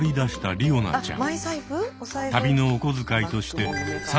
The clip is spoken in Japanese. りおなちゃん